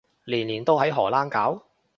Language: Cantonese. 年年都喺荷蘭搞？